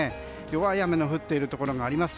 弱い雨の降っているところがあります。